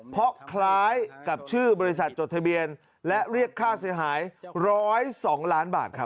เพราะคล้ายกับชื่อบริษัทจดทะเบียนและเรียกค่าเสียหาย๑๐๒ล้านบาทครับ